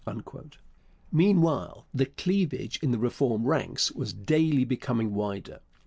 Meanwhile the cleavage in the Reform ranks was daily becoming wider.